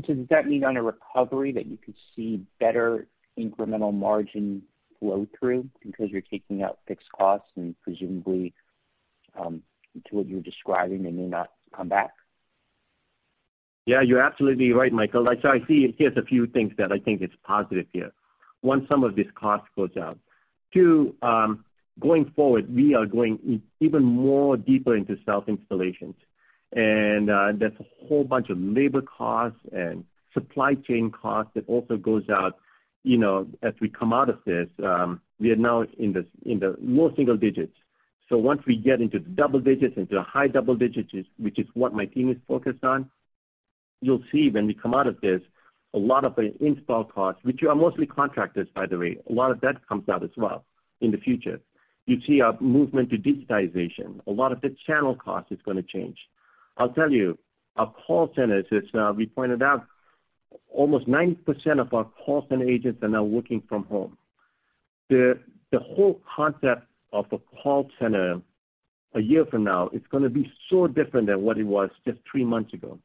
Does that mean on a recovery that you could see better incremental margin flow through because you're taking out fixed costs and presumably, to what you're describing, they may not come back?
Yeah, you're absolutely right, Michael. I see here's a few things that I think is positive here. One, some of these costs goes out. Two, going forward, we are going even more deeper into self-installations. That's a whole bunch of labor costs and supply chain costs that also goes out as we come out of this. We are now in the low single digits. Once we get into double digits, into high double digits, which is what my team is focused on, you'll see when we come out of this, a lot of the install costs, which are mostly contractors, by the way, a lot of that comes out as well in the future. You see a movement to digitization. A lot of the channel cost is going to change. I'll tell you, our call centers, as we pointed out, almost 90% of our call center agents are now working from home. The whole concept of a call center a year from now, it's going to be so different than what it was just three months ago.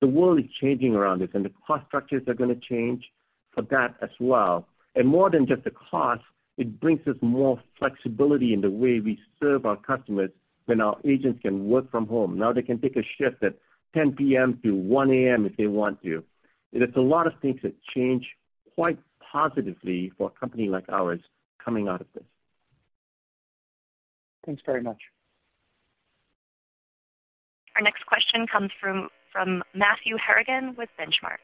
The world is changing around us. The cost structures are going to change for that as well. More than just the cost, it brings us more flexibility in the way we serve our customers when our agents can work from home. Now they can take a shift at 10:00 P.M. - 1:00 A.M. if they want to. There's a lot of things that change quite positively for a company like ours coming out of this.
Thanks very much.
Our next question comes from Matthew Harrigan with Benchmark.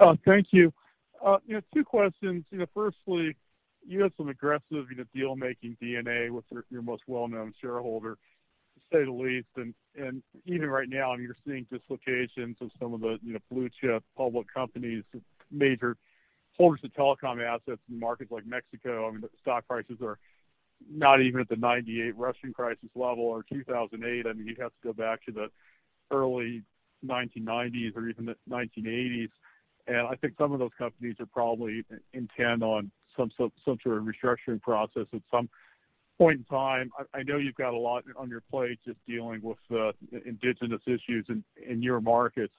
Oh, thank you. Two questions. Firstly, you have some aggressive deal-making DNA with your most well-known shareholder, to say the least. Even right now, you're seeing dislocations of some of the blue-chip public companies, major holders of telecom assets in markets like Mexico. I mean, the stock prices are not even at the 1998 Russian crisis level or 2008. I mean, you'd have to go back to the early 1990s or even the 1980s. I think some of those companies are probably intent on some sort of restructuring process at some point in time. I know you've got a lot on your plate just dealing with the indigenous issues in your markets.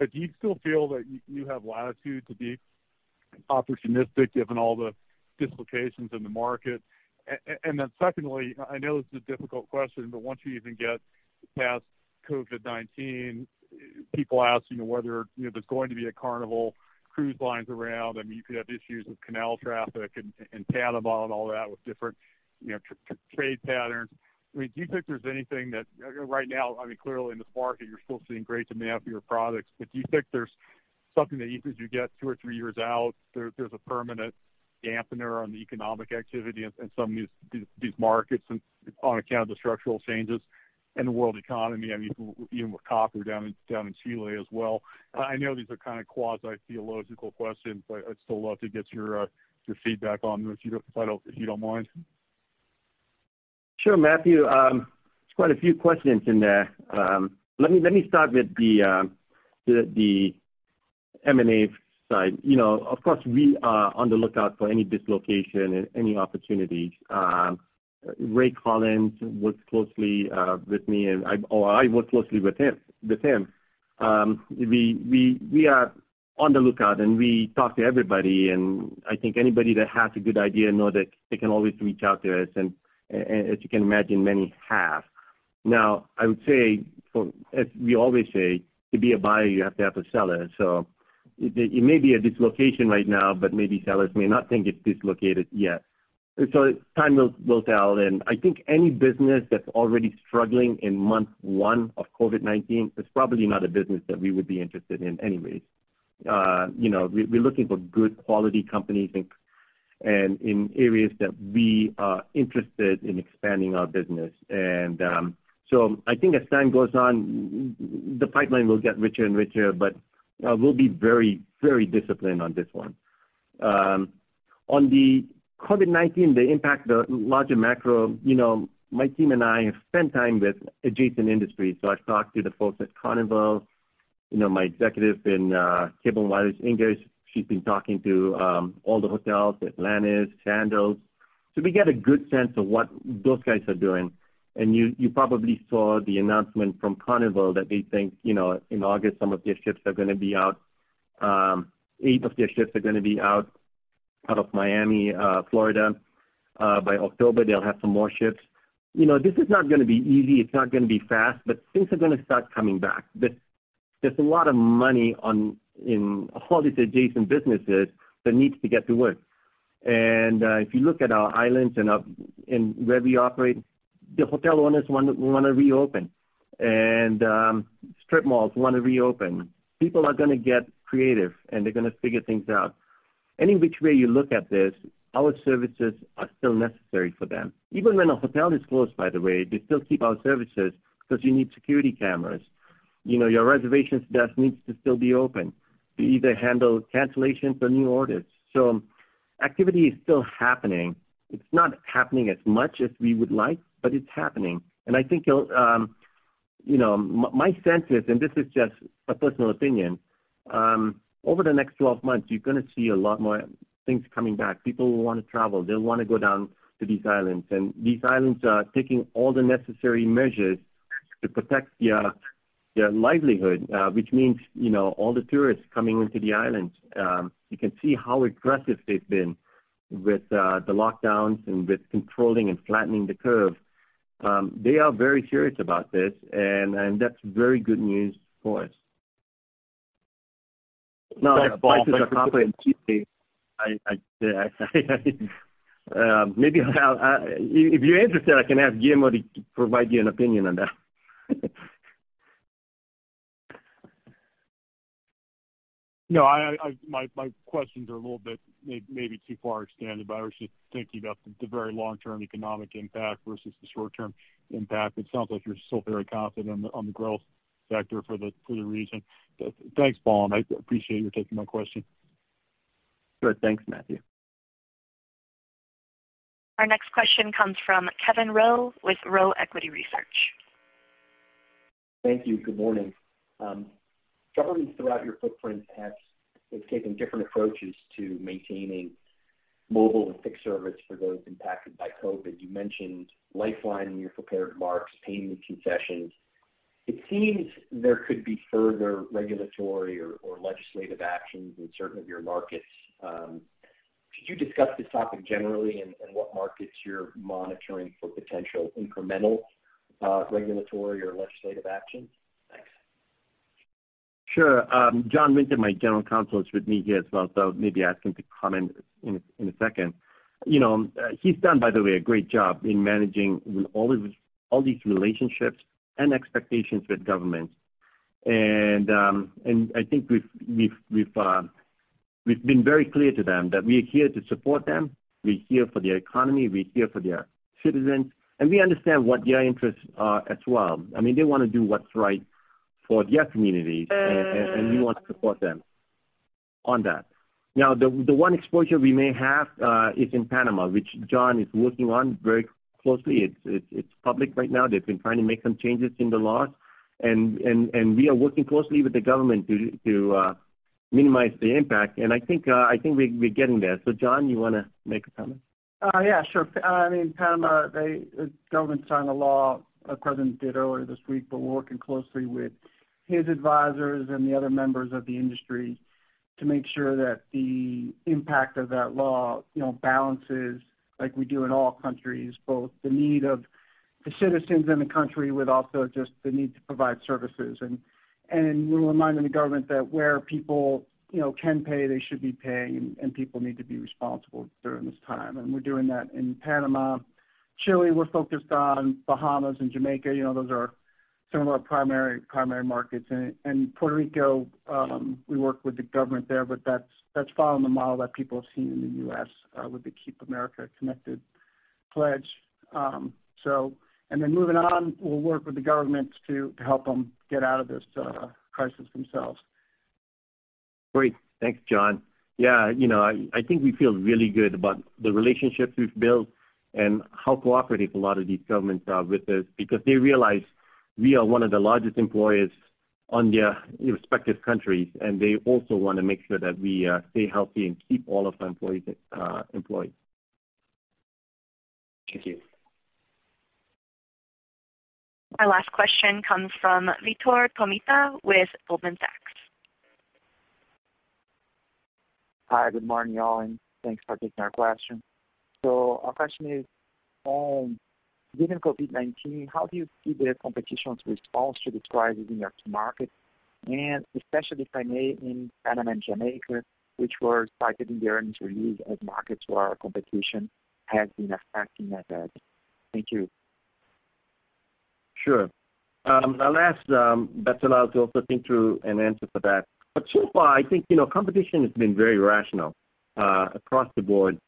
Do you still feel that you have latitude to be opportunistic given all the dislocations in the market? Secondly, I know this is a difficult question, but once you even get past COVID-19, people ask whether there's going to be a Carnival Cruise Line around. I mean, you could have issues with canal traffic and Panama and all that with different trade patterns. I mean, do you think there's anything that, right now, I mean, clearly in this market, you're still seeing great demand for your products, but do you think there's something that as you get two or three years out, there's a permanent dampener on the economic activity in some of these markets on account of the structural changes in the world economy? I mean, even with copper down in Chile as well. I know these are kind of quasi-theological questions, but I'd still love to get your feedback on those, if you don't mind.
Sure, Matthew. There's quite a few questions in there. Let me start with the M&A side. Of course, we are on the lookout for any dislocation and any opportunity. Ray Collins works closely with me, or I work closely with him. We are on the lookout, and we talk to everybody, and I think anybody that has a good idea knows that they can always reach out to us, and as you can imagine, many have. I would say, as we always say, to be a buyer, you have to have a seller. It may be a dislocation right now, but maybe sellers may not think it's dislocated yet. Time will tell, and I think any business that's already struggling in month one of COVID-19 is probably not a business that we would be interested in anyways. We're looking for good quality companies in areas that we are interested in expanding our business. I think as time goes on, the pipeline will get richer and richer, but we'll be very, very disciplined on this one. On the COVID-19, the impact, the larger macro, my team and I have spent time with adjacent industries. I've talked to the folks at Carnival. My executive in Cable & Wireless, Inge, she's been talking to all the hotels, Atlantis, Sandals. We get a good sense of what those guys are doing. You probably saw the announcement from Carnival that they think, in August, some of their ships are going to be out. Eight of their ships are going to be out of Miami, Florida. By October, they'll have some more ships. This is not going to be easy, it's not going to be fast, but things are going to start coming back. There's a lot of money in all these adjacent businesses that needs to get to work. If you look at our islands and where we operate, the hotel owners want to reopen, and strip malls want to reopen. People are going to get creative, and they're going to figure things out. Any which way you look at this, our services are still necessary for them. Even when a hotel is closed, by the way, they still keep our services because you need security cameras. Your reservations desk needs to still be open to either handle cancellations or new orders. Activity is still happening. It's not happening as much as we would like, but it's happening. I think my sense is, and this is just a personal opinion, over the next 12 months, you're going to see a lot more things coming back. People will want to travel. They'll want to go down to these islands, and these islands are taking all the necessary measures to protect their livelihood, which means all the tourists coming into the islands. You can see how aggressive they've been with the lockdowns and with controlling and flattening the curve. They are very serious about this, and that's very good news for us. Prices are probably, maybe if you're interested, I can ask Guillermo to provide you an opinion on that.
No, my questions are a little bit, maybe too far extended, but I was just thinking about the very long-term economic impact versus the short-term impact. It sounds like you're still very confident on the growth factor for the region. Thanks, Balan. I appreciate you taking my question.
Sure. Thanks, Matthew.
Our next question comes from Kevin Rowe with Rowe Equity Research.
Thank you. Good morning. Governments throughout your footprint have taken different approaches to maintaining mobile and fixed service for those impacted by COVID-19. You mentioned Lifeline in your prepared remarks, payment concessions. It seems there could be further regulatory or legislative actions in certain of your markets. Could you discuss this topic generally and what markets you're monitoring for potential incremental regulatory or legislative action? Thanks.
Sure. John Winter, my general counsel, is with me here as well, so maybe ask him to comment in a second. He's done, by the way, a great job in managing all these relationships and expectations with governments. I think we've been very clear to them that we are here to support them, we're here for their economy, we're here for their citizens, and we understand what their interests are as well. They want to do what's right for their communities, and we want to support them on that. The one exposure we may have is in Panama, which John is working on very closely. It's public right now. They've been trying to make some changes in the laws, and we are working closely with the government to minimize the impact, and I think we're getting there. John, you want to make a comment?
Yeah, sure. In Panama, the government signed a law, the president did earlier this week, but we're working closely with his advisors and the other members of the industry to make sure that the impact of that law balances, like we do in all countries, both the need of the citizens in the country with also just the need to provide services. We're reminding the government that where people can pay, they should be paying, and people need to be responsible during this time. We're doing that in Panama. Chile, we're focused on, Bahamas and Jamaica. Those are some of our primary markets. Puerto Rico, we work with the government there, but that's following the model that people have seen in the U.S. with the Keep Americans Connected Pledge. Moving on, we'll work with the governments to help them get out of this crisis themselves.
Great. Thanks, John. Yeah. I think we feel really good about the relationships we've built and how cooperative a lot of these governments are with us because they realize we are one of the largest employers in their respective countries, and they also want to make sure that we stay healthy and keep all of our employees employed. Thank you.
Our last question comes from Vitor Tomita with Goldman Sachs.
Hi, good morning, y'all, and thanks for taking our question. Our question is, given COVID-19, how do you see the competition's response to the crisis in your key markets, and especially if I may, in Panama and Jamaica, which were cited in the earnings release as markets where our competition has been affecting us badly. Thank you.
Sure. I'll ask Betzalel to also think through an answer for that. So far, I think competition has been very rational, across the board.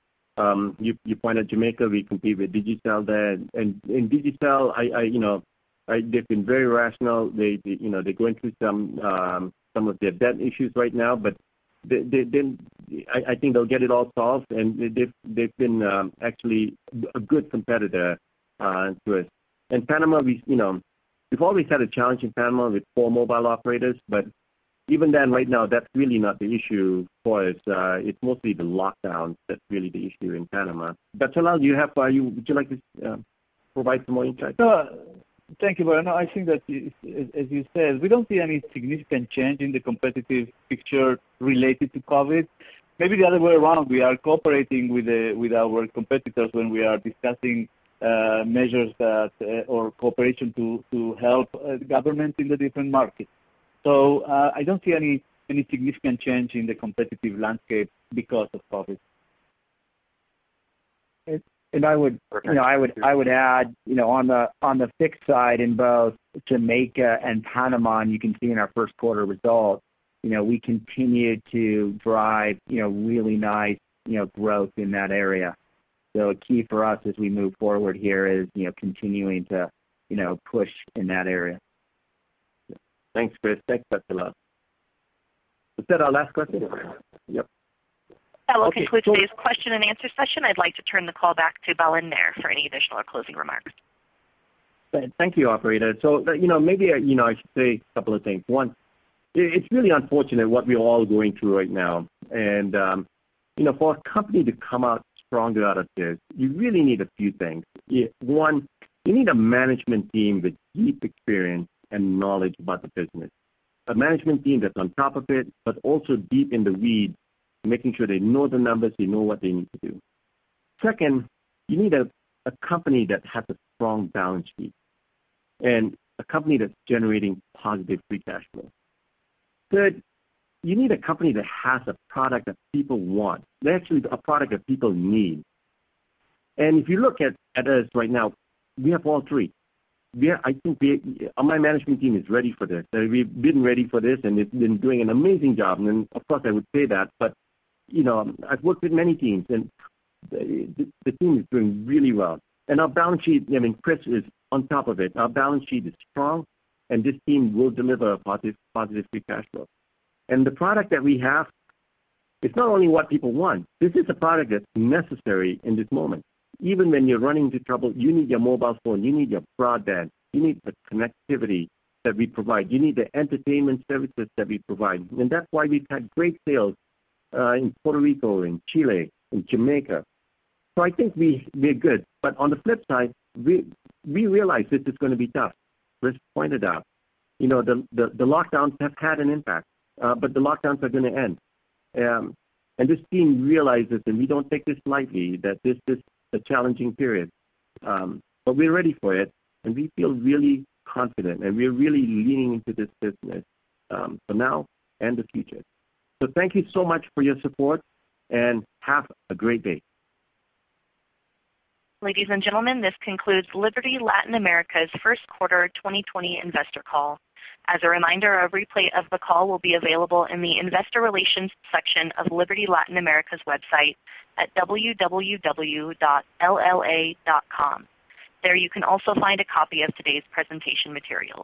You pointed Jamaica, we compete with Digicel there. Digicel, they've been very rational. They're going through some of their debt issues right now, but I think they'll get it all solved, and they've been actually a good competitor to us. Panama, we've always had a challenge in Panama with four mobile operators, but even then, right now, that's really not the issue for us. It's mostly the lockdown that's really the issue in Panama. Betzalel, would you like to provide some more insight?
Thank you, Balan. I think that, as you said, we don't see any significant change in the competitive picture related to COVID. Maybe the other way around. We are cooperating with our competitors when we are discussing measures or cooperation to help governments in the different markets. I don't see any significant change in the competitive landscape because of COVID.
I would add, on the fixed side in both Jamaica and Panama, you can see in our first quarter results, we continued to drive really nice growth in that area. Key for us as we move forward here is continuing to push in that area.
Thanks, Chris. Thanks, Betzalel. Was that our last question?
Yep.
That will conclude today's question and answer session. I'd like to turn the call back to Balan there for any additional closing remarks.
Thank you, operator. Maybe I should say a couple of things. One, it's really unfortunate what we're all going through right now. For a company to come out stronger out of this, you really need a few things. One, you need a management team with deep experience and knowledge about the business. A management team that's on top of it, but also deep in the weeds, making sure they know the numbers, they know what they need to do. Second, you need a company that has a strong balance sheet, and a company that's generating positive free cash flow. Third, you need a company that has a product that people want, and actually a product that people need. If you look at us right now, we have all three. My management team is ready for this. We've been ready for this. They've been doing an amazing job. Of course, I would say that, but I've worked with many teams, and the team is doing really well. Our balance sheet, Chris is on top of it. Our balance sheet is strong, and this team will deliver positive free cash flow. The product that we have, it's not only what people want, this is a product that's necessary in this moment. Even when you're running into trouble, you need your mobile phone, you need your broadband, you need the connectivity that we provide. You need the entertainment services that we provide. That's why we've had great sales in Puerto Rico, in Chile, in Jamaica. I think we're good. On the flip side, we realize this is going to be tough. Chris pointed out the lockdowns have had an impact. The lockdowns are going to end. This team realizes, and we don't take this lightly, that this is a challenging period. We're ready for it, and we feel really confident, and we're really leaning into this business for now and the future. Thank you so much for your support, and have a great day.
Ladies and gentlemen, this concludes Liberty Latin America's Q1 2020 investor call. As a reminder, a replay of the call will be available in the investor relations section of Liberty Latin America's website at www.lla.com. There you can also find a copy of today's presentation materials.